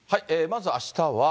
まずあしたは。